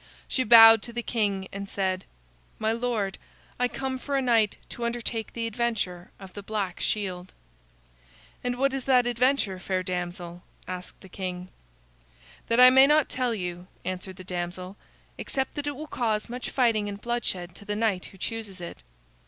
She bowed to the king and said: "My lord, I come for a knight to undertake the adventure of the black shield." "And what is that adventure, fair damsel?" asked the king. "That I may not tell you," answered the damsel, "except that it will cause much fighting and bloodshed to the knight who chooses it."